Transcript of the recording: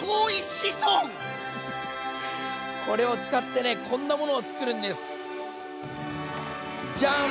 これを使ってねこんなものを作るんです。じゃん！